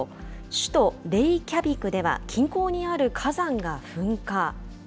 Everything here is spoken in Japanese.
首都レイキャビクでは、近郊にある火山が噴火。